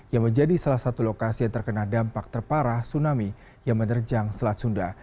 yang menjadi salah satu lokasi yang terkena dampak terparah tsunami yang menerjang selat sunda